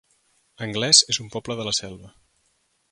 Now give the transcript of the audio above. Anglès es un poble de la Selva